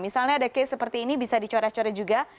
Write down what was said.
misalnya ada case seperti ini bisa dicore core juga